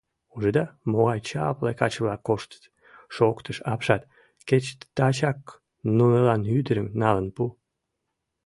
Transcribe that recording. — Ужыда, могай чапле каче-влак коштыт, — шоктыш апшат, — кеч тачак нунылан ӱдырым налын пу.